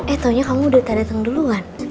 eh taunya kamu udah tak dateng dulu kan